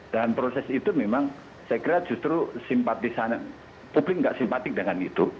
dan proses itu memang saya kira justru simpatis publik nggak simpatik dengan itu